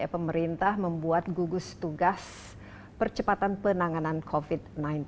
pemerintah membuat gugus tugas percepatan penanganan covid sembilan belas